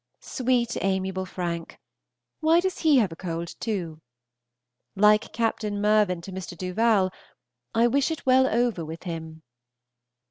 Sweet, amiable Frank! why does he have a cold too? Like Captain Mirvan to Mr. Duval, "I wish it well over with him."